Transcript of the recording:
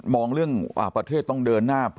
เรื่องประเทศต้องเดินหน้า